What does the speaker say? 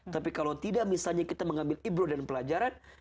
tapi kalau tidak misalnya kita mengambil ibro dan pelajaran